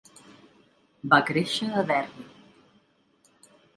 Va créixer a Derry.